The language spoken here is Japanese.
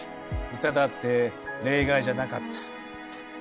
歌だって例外じゃなかった。